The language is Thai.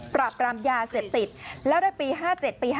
ปราบรามยาเสพติดแล้วในปี๕๗ปี๕๗